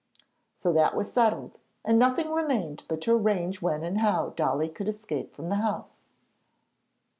So that was settled, and nothing remained but to arrange when and how Dolly could escape from the house.